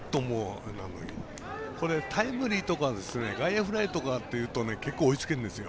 タイムリーとか外野フライとかっていうと結構追いつけるんですよ。